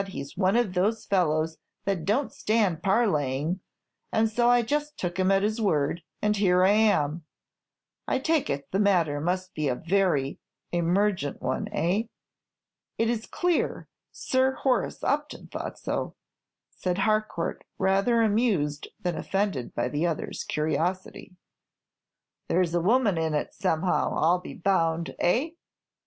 he's one of those fellows that don't stand parleying, and so I just took him at his word, and here I am. I take it the matter must be a very emergent one, eh?" "It is clear Sir Horace Upton thought so," said Harcourt, rather amused than offended by the other's curiosity. "There's a woman in it, somehow, I 'll be bound, eh?"